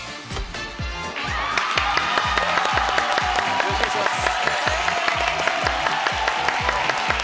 よろしくお願いします！